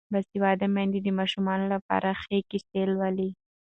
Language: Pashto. باسواده میندې د ماشومانو لپاره ښې کیسې لولي.